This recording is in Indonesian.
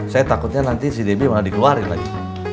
saya takutnya nanti si debbie malah dikeluarin lagi